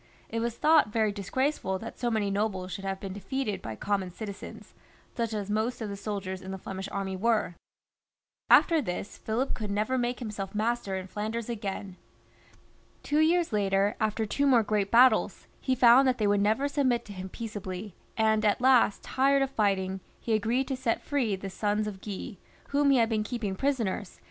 It was thought very disgraceful that so many nobles should have been defeated by common citizens, such as most of the soldiers in the Flemish army were. After this Philip could never make himself master in Flanders again. Two years later, after two more great battles, he found that they would never submit to him peaceably, and at last, tired of fighting, he agreed to set free the sons of Guy, whom he had been keeping prisoners, 136 PHILIP IV.